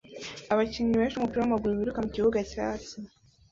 Abakinnyi benshi bumupira wamaguru biruka mukibuga cyatsi